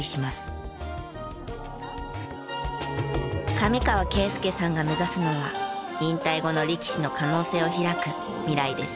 上河啓介さんが目指すのは引退後の力士の可能性を開く未来です。